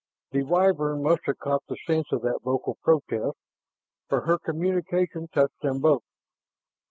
The Wyvern must have caught the sense of that vocal protest, for her communication touched them both.